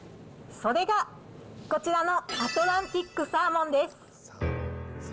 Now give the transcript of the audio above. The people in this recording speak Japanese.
それが、こちらのアトランティックサーモンです。